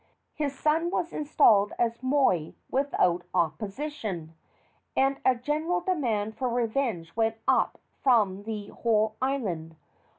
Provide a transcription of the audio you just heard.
His son was installed as moi without opposition, and a general demand for revenge went up from the whole island.